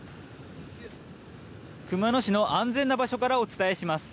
熊野市の安全な場所からお伝えします。